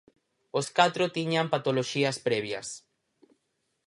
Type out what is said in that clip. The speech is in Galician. Os catro tiñan patoloxías previas.